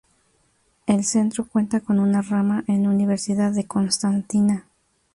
El centro cuenta con una rama en Universidad de Constantina.